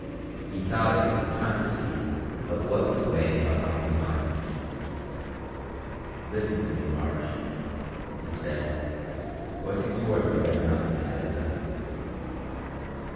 He thought it time to speak of what was weighing upon his mind. "Listen to me, Marge," he said, pointing toward the red mountain ahead of them.